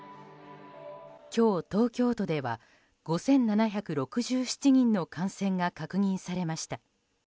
今日、東京都では５７６７人の感染が確認されました。